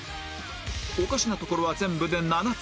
おかしなところは全部で７つ